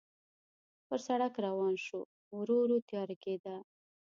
پر سړک روان شوو، ورو ورو تیاره کېده.